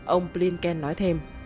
ông blinken nói thêm